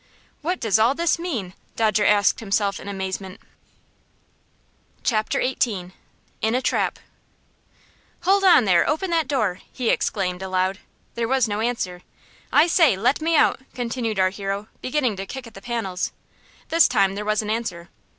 "What does all this mean?" Dodger asked himself in amazement. Chapter XVIII. In A Trap. "Hold on there! Open that door!" he exclaimed, aloud. There was no answer. "I say, let me out!" continued our hero, beginning to kick at the panels. This time there was an answer.